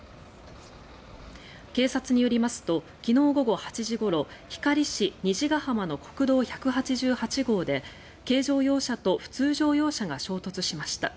警察によりますと昨日午後８時ごろ光市虹ケ浜の国道１８８号で軽乗用車と普通乗用車が衝突しました。